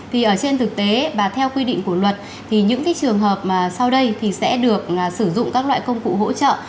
thì ở trên thực tế và theo quy định của luật thì những trường hợp mà sau đây thì sẽ được sử dụng các loại công cụ hỗ trợ